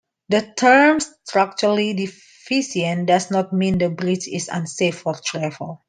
The term structurally deficient does not mean a bridge is unsafe for travel.